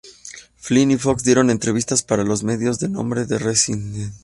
Flynn y Fox dieron entrevistas para los medios a nombre de The Residents.